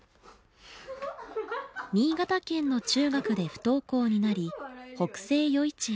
新潟県の中学で不登校になり北星余市へ。